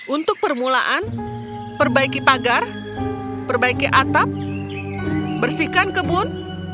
untuk permulaan perbaiki pagar perbaiki atap bersihkan kebun